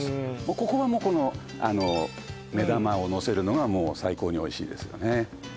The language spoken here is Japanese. ここはもうこの目玉をのせるのが最高においしいですよね